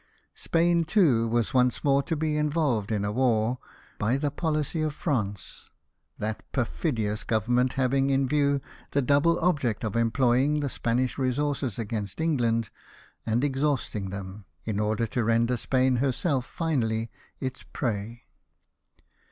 Spain, too, was once more to be involved in war by the 23olicy of France, that perfidious Government having in view the double object of employing the Spanish resources against England, and exhausting them, in order to render Spain herself finally its prey.